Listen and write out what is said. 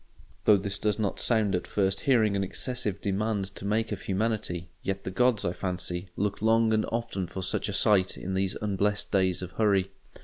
Though this does not sound at first hearing an excessive demand to make of humanity, yet the gods, I fancy, look long and often for such a sight in these unblest days of hurry.